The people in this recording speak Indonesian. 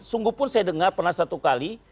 sungguhpun saya dengar pernah satu kali